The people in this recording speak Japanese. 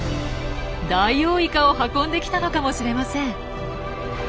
ダイオウイカを運んできたのかもしれません。